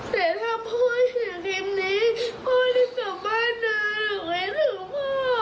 แต่ถ้าพ่ออยู่ในคลิปนี้พ่อไม่สามารถเดินลูกให้ถึงพ่อ